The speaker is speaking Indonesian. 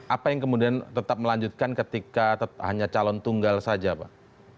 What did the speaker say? apa yang kemudian tetap melanjutkan ketika hanya calon tunggal saja pak